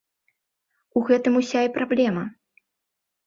У гэтым ўся і праблема!